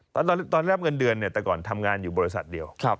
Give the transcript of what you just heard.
ตอนแรกเงินเดือนเนี่ยแต่ก่อนทำงานอยู่บริษัทเดียว